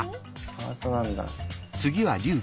ハートなんだ！